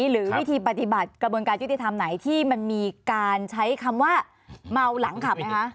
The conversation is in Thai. หรือวิธีปฏิบัติกระบวนการยุติธรรมไหนที่มันมีการใช้คำว่าเมาหลังขับไหมคะ